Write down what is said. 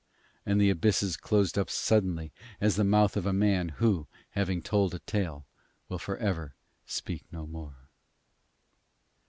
And the abysses closed up suddenly as the mouth of a man who, having told a tale, will for ever speak no more.